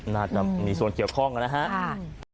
น่าจะมีส่วนเกี่ยวข้องนะครับ